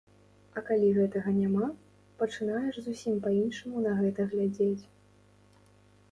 А калі гэтага няма, пачынаеш зусім па-іншаму на гэта глядзець.